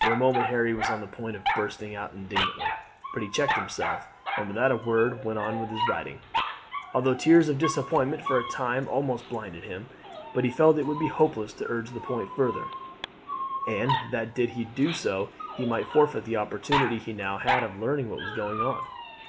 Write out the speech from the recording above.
For a moment Harry was on the point of bursting out indignantly, but he checked himself and without a word went on with his writing, although tears of disappointment for a time almost blinded him; but he felt it would be hopeless to urge the point further, and that did he do so he might forfeit the opportunity he now had of learning what was going on.